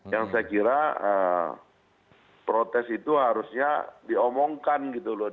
yang saya kira protes itu harusnya diomongkan gitu loh